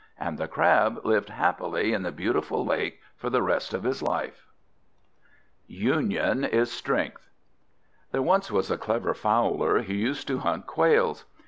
And the Crab lived happily in the beautiful lake for the rest of his life. UNION IS STRENGTH There once was a clever Fowler who used to hunt quails.